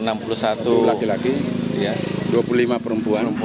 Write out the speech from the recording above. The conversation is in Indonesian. laki laki dua puluh lima perempuan